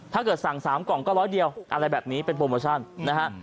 ถ้าเกิดสั่ง๓กล่องก็ร้อยเดียวอะไรแบบนี้เป็นโปรโมชั่นนะฮะ